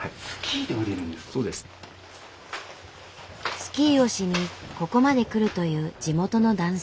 スキーをしにここまで来るという地元の男性。